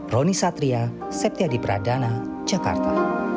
roni satria septiadi pradana jakarta